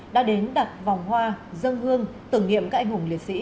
đã đến đặt vòng hoa dân hương tưởng niệm các anh hùng liệt sĩ